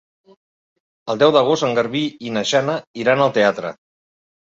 El deu d'agost en Garbí i na Jana iran al teatre.